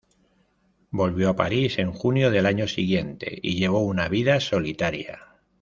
Volvió a París en junio del año siguiente y llevó una vida solitaria.